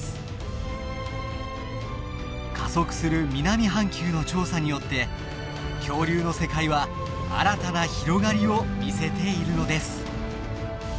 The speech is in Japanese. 加速する南半球の調査によって恐竜の世界は新たな広がりを見せているのです。